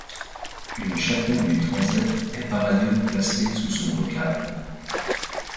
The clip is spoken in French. Une chapelle du transept est par ailleurs placée sous son vocable.